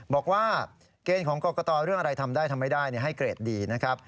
บอกว่าเกณฑ์ของกรกตเรื่องอะไรทำได้ทำไม่ได้ให้เกรดดีนะครับ